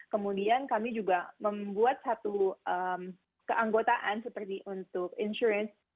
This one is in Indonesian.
kemudian kami juga membuat satu keanggotaan seperti untuk insurance